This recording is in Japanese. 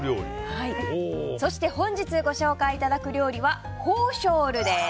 そして本日ご紹介いただく料理はホーショールです。